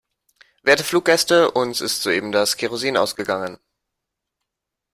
Werte Fluggäste, uns ist soeben das Kerosin ausgegangen.